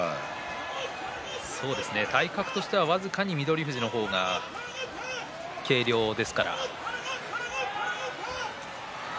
体格としては僅かに翠富士の方が軽量ですから。